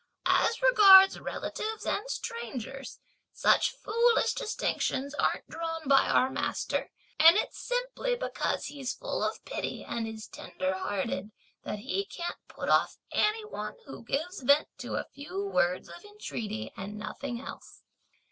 as regards relatives and strangers, such foolish distinctions aren't drawn by our master; and it's simply because he's full of pity and is tenderhearted that he can't put off any one who gives vent to a few words of entreaty, and nothing else!"